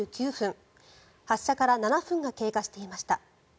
発射から７分が経過していました。